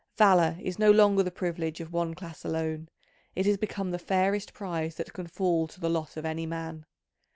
Valour is no longer the privilege of one class alone: it has become the fairest prize that can fall to the lot of any man.